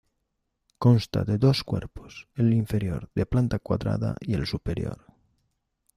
Consta de dos cuerpos: el inferior de planta cuadrada y el superior.